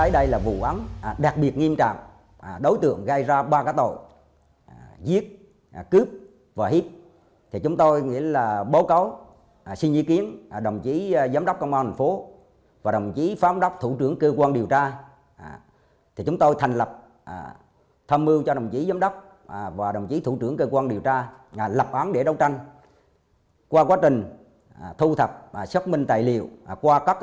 đây là trung tâm công nghiệp tập trung nhiều nhà máy xí nghiệp